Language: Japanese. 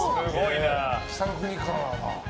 「北の国から」だ。